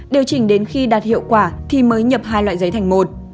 điều chỉnh đến khi đạt hiệu quả thì mới nhập hai loại giấy thành một